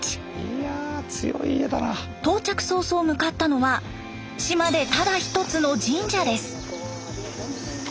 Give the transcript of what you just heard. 到着早々向かったのは島でただ一つの神社です。